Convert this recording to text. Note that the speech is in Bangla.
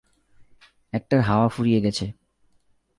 একটার হাওয়া ফুরিয়ে গেছে।